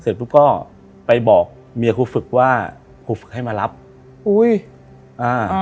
ปุ๊กก็ไปบอกเมียครูฝึกว่าครูฝึกให้มารับอุ้ยอ่า